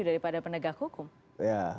daripada penegak hukum ya